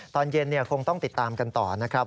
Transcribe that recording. ตอนเย็นคงต้องติดตามกันต่อนะครับ